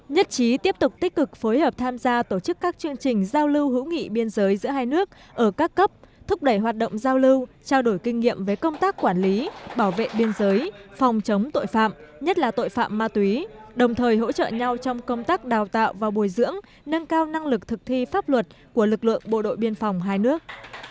nhất trí tiếp tục tích cực phối hợp tham gia tổ chức các chương trình giao lưu hữu nghị biên giới giữa hai nước ở các cấp thúc đẩy hoạt động giao lưu trao đổi kinh nghiệm với công tác quản lý bảo vệ biên giới phòng chống tội phạm nhất là tội phạm ma túy đồng thời hỗ trợ nhau trong công tác đào tạo và bồi dưỡng nâng cao năng lực thực thi pháp luật của lực lượng bộ đội biên phòng hai nước